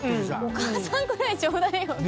お母さんぐらいちょうだいよ。